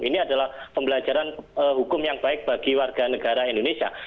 ini adalah pembelajaran hukum yang baik bagi warga negara indonesia